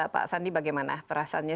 pak sandi bagaimana perasaannya